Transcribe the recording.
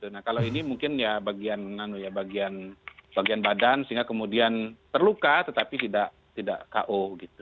nah kalau ini mungkin ya bagian badan sehingga kemudian terluka tetapi tidak ko gitu